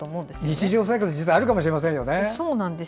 日常生活、実はあるかもしれないですね。